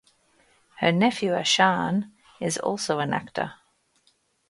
Her nephew Ashan is also an actor.